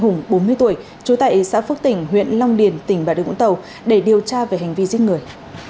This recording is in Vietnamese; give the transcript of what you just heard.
hùng bốn mươi tuổi trú tại xã phước tỉnh huyện long điền tỉnh bà đường vũng tàu để điều tra về hành vi giết người